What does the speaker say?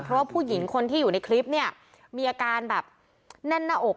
เพราะว่าผู้หญิงคนที่อยู่ในคลิปเนี่ยมีอาการแบบแน่นหน้าอก